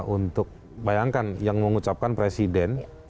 untuk bayangkan yang mengucapkan presiden